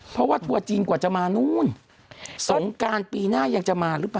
เพราะว่าทัวร์จีนกว่าจะมานู่นสงการปีหน้ายังจะมาหรือเปล่า